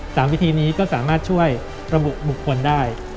วิธีนี้ก็สามารถช่วยระบุบุคคลได้